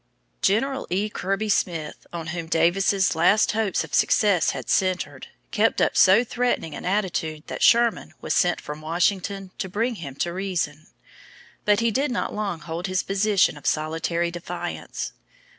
General E. Kirby Smith, on whom Davis's last hopes of success had centered, kept up so threatening an attitude that Sherman was sent from Washington to bring him to reason. But he did not long hold his position of solitary defiance.